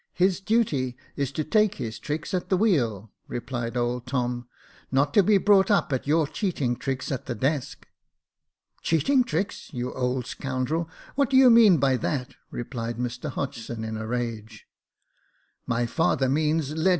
His duty is to take his trick at the wheel," replied old Tom •," not to be brought up at your cheating tricks at the desk." *' Cheating tricks, you old scoundrel, what do you mean by that ?" replied Mr Hodgson, in a rage. My father means /^^^